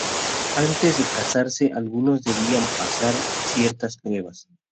Antes de casarse algunos debían pasar ciertas pruebas.